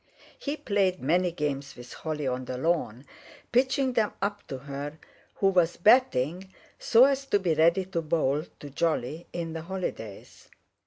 He played many games with Holly on the lawn, pitching them up to her who was batting so as to be ready to bowl to Jolly in the holidays.